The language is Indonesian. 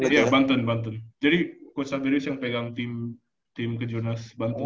iya banten jadi coach saferius yang pegang tim kejurnas banten